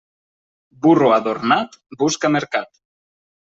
Burro adornat busca mercat.